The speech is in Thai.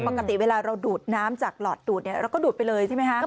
ปกติเวลาเราดูดน้ำจากหลอดดูดเราก็ดูดไปเลยใช่ไหมคะ